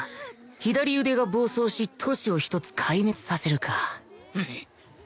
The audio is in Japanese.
左腕が暴走し都市を１つ壊滅させるか